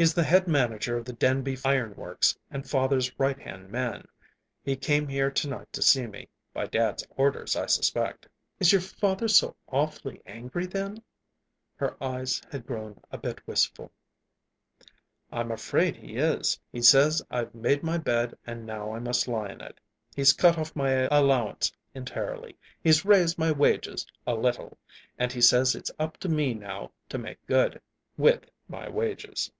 "He's the head manager of the Denby Iron Works and father's right hand man. He came here to night to see me by dad's orders, I suspect." "Is your father so awfully angry, then?" Her eyes had grown a bit wistful. "I'm afraid he is. He says I've made my bed and now I must lie in it. He's cut off my allowance entirely. He's raised my wages a little, and he says it's up to me now to make good with my wages."